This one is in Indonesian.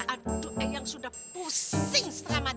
aduh aduh aduh yang sudah pusing setengah mati